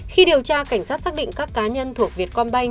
khi điều tra cảnh sát xác định các cá nhân thuộc việt công banh